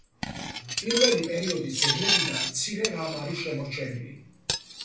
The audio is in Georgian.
პირველი პერიოდის ძეგლებიდან მცირე რამ არის შემორჩენილი.